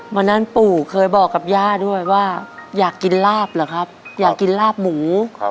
วันนั้นปู่เคยบอกกับย่าด้วยว่าอยากกินลาบเหรอครับอยากกินลาบหมู